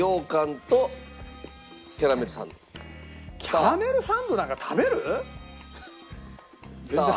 キャラメルサンドなんか食べる？さあ。